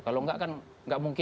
kalau enggak kan nggak mungkin